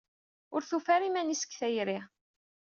Ur tufi ara iman-is deg tayri.